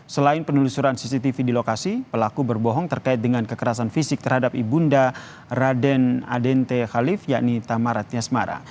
selain penelusuran cctv di lokasi pelaku berbohong terkait dengan kekerasan fisik terhadap ibu nda raden adente khalif yakni tamaratnya semara